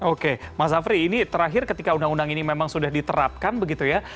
oke mas afri ini terakhir ketika undang undang ini memang sudah diterapkan begitu ya